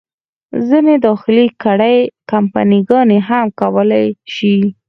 ځینې داخلي کړۍ، کمپني ګانې هم کولای شي.